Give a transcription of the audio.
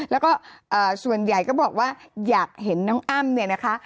แล้วก็ส่วนใหญ่ก็บอกว่าอยากเห็นน้องอ้ำเนี่ยนะคะ